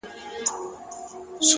علم د پرمختګ اصلي محرک دی،